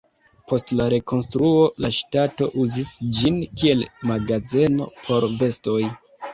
Post la rekonstruo la ŝtato uzis ĝin, kiel magazeno por vestoj.